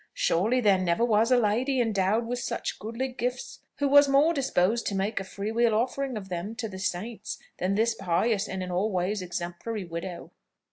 Surely there never was a lady endowed with such goodly gifts who was more disposed to make a free will offering of them to the saints, than this pious and in all ways exemplary widow."